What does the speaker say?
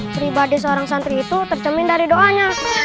pribadi seorang santri itu tercemin dari doanya